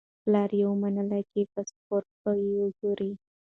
پلار یې ومنله چې پاسپورت به وګوري.